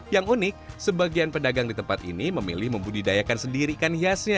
yang unik sebagian pedagang di tempat ini memilih membudidayakan sendiri ikan hiasnya